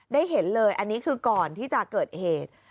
ได้เห็นเลยอันนี้คือก่อนที่จะเกิดเหตุ